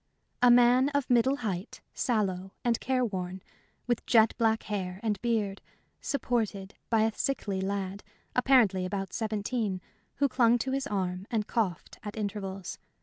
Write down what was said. A man of middle height, sallow, and careworn, with jet black hair and beard, supported a sickly lad, apparently about seventeen, who clung to his arm and coughed at intervals.